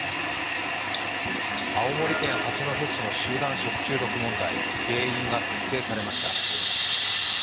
青森県八戸市の集団食中毒問題、原因が特定されました。